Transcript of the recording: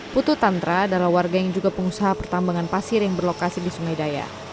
putu tantra adalah warga yang juga pengusaha pertambangan pasir yang berlokasi di sungai daya